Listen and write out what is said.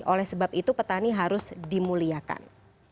oleh sebab itu petani harus dimuliakan